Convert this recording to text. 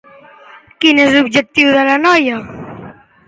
Quin és l'objectiu de la noia?